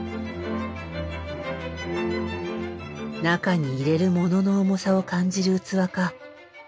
中に入れるモノの重さを感じる器か。